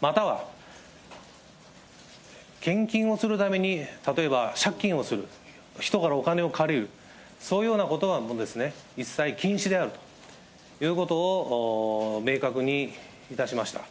または、献金をするために、例えば借金をする、人からお金を借りる、そういうようなことはもう一切禁止であるということを明確にいたしました。